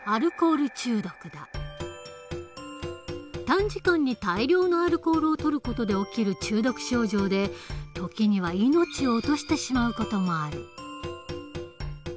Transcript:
短時間に大量のアルコールをとる事で起きる中毒症状で時には命を落としてしまう事もある。